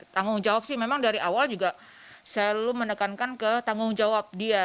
tanggung jawab sih memang dari awal juga selalu menekankan ke tanggung jawab dia